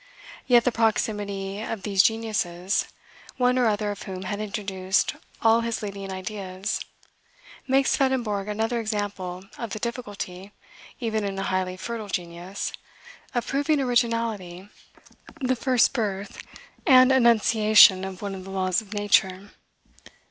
Yet the proximity of these geniuses, one or other of whom had introduced all his leading ideas, makes Swedenborg another example of the difficulty, even in a highly fertile genius, of proving originality, the first birth and annunciation of one of the laws of nature.